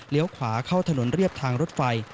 ขวาเข้าถนนเรียบทางรถไฟ